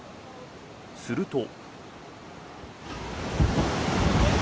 すると。